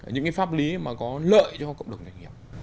những cái pháp lý mà có lợi cho cộng đồng doanh nghiệp